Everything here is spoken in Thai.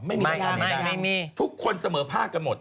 ไม่มีรายงานไม่ได้ทุกคนเสมอภาคกันหมด